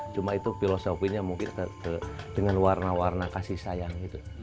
cuma itu filosofinya mungkin dengan warna warna kasih sayang gitu